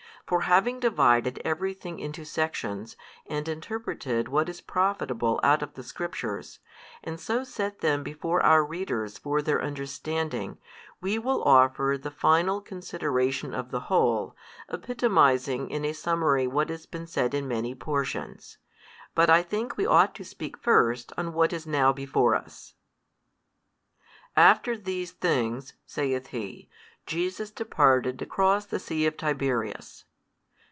For having divided every thing into sections, and interpreted what is profitable out of the Scriptures, and so set them before our readers for their understanding, we will offer the final consideration of the whole, epitomising in a summary what has been said in many portions. But I think we ought to speak first on what is now before us. After these things (saith he) Jesus departed across the sea of Tiberias.